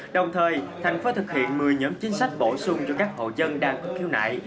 đồng thời thành phố thực hiện một mươi nhóm chính sách bổ sung cho các hộ dân đang có khiếu nại